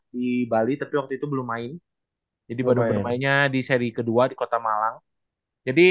di bali tapi waktu itu belum main jadi baru bermainnya di seri kedua di kota malang jadi